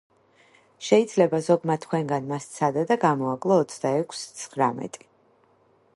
შეიძლება ზოგმა თქვენგანმა სცადა და გამოაკლო ოცდაექვსს ცხრამეტი.